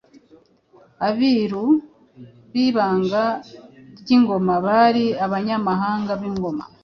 Abiru b’ibanga ry ‘Ingoma :Bari abanyamabanga b’Ingoma,